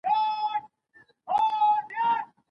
ولي انلاين درسونه د زده کړې دوام تضمینوي؟